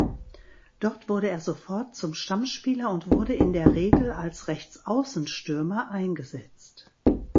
Dort wurde er sofort zum Stammspieler und wurde in der Regel als Rechtsaußenstürmer eingesetzt.